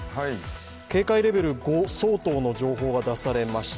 警戒レベル５相当の情報が出されました。